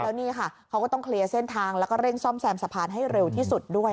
แล้วนี่ค่ะเขาก็ต้องเคลียร์เส้นทางแล้วก็เร่งซ่อมแซมสะพานให้เร็วที่สุดด้วย